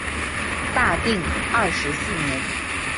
大定二十四年。